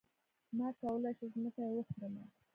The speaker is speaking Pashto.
ما کولی شو ځمکه يې وخورمه.